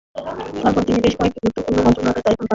তারপর তিনি বেশ কয়েকটি গুরুত্বপূর্ণ মন্ত্রণালয়ের দায়িত্ব পান।